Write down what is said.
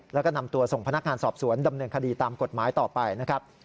แล้วก็นำตัวส่งพนักงานสอบสวนดำเนินคดีตามกฎหมายต่อไปนะครับ